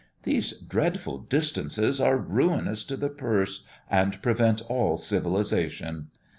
These dreadful distances are ruinous to the purse, and prevent all civilisation.